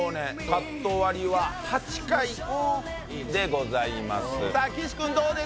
カット割りは８回でございます